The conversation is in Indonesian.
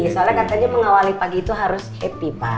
soalnya katanya mengawali pagi itu harus happy pak